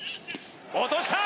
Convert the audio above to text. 落とした！